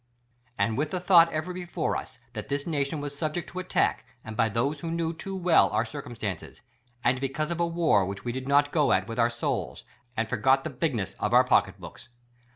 And with the thought ever before us that this nation was subject to attack and by those who knew too well our circumstances, and because of a WAR which we did not go at with our souls, and forget the bigness of our pocket books.